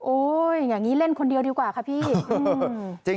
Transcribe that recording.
อย่างนี้เล่นคนเดียวดีกว่าค่ะพี่